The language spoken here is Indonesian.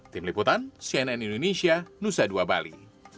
tim liputan cnn indonesia nusa dua bali